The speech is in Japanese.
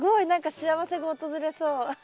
何か幸せが訪れそう。